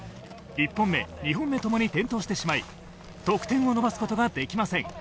１本目、２本目ともに転倒してしまい得点を伸ばすことができません。